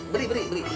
beri beri beri